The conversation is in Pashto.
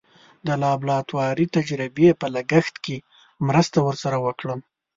د لابراتواري تجزیې په لګښت کې مرسته ور سره وکړم.